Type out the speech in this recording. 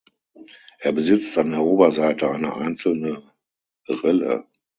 Er besitzt an der Oberseite eine einzelne Rille.